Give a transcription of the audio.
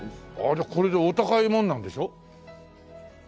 じゃあこれお高いもんなんでしょ？